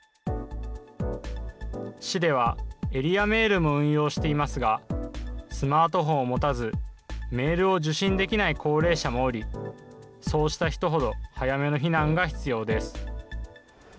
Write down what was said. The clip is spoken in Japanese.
市では、エリアメールも運用していますが、スマートフォンを持たず、メールを受信できない高齢者もおり、そうした人ほど早めの避難が必要です。